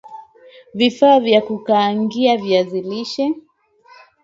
Vifaa vya kukaangie viazi lishe